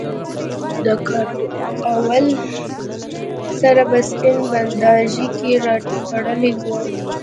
د کراول سر په سپین بنداژ کې تړلی وو.